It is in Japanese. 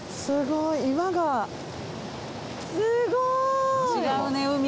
すごーい！